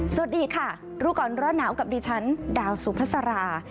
สวัสดีค่ะรูกรรมร่อนหนาวกับดิฉันดาวสุพศรา